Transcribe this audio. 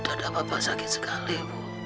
dadah bapak sakit sekali ibu